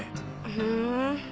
ふん。